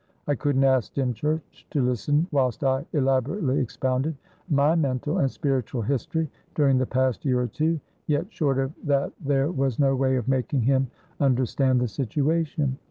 I couldn't ask Dymchurch to listen whilst I elaborately expounded my mental and spiritual history during the past year or two, yet short of that there was no way of making him understand the situation.